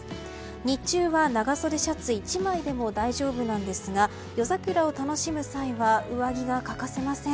日中は長袖シャツ１枚でも大丈夫なんですが夜桜を楽しむ際は上着が欠かせません。